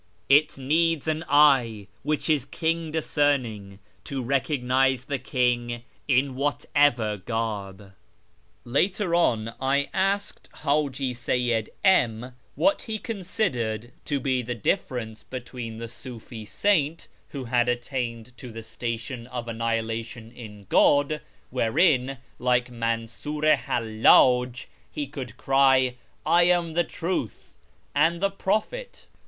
' It needs an eye which is king discerning To recognise the King in whatever garb.' Later on I asked Haji Seyyid M what he considered to be the difference between the Sufi saint who had attained to the " Station of Annihilation in God," wherein, like Mansur i IIallaj, he could cry, "I am the truth," and the prophet.